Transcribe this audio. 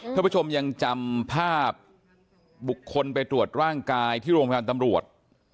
ท่านผู้ชมยังจำภาพบุคคลไปตรวจร่างกายที่โรงพยาบาลตำรวจ